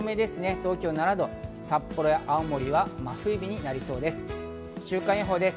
東京は７度、札幌や青森は真冬日になりそうです。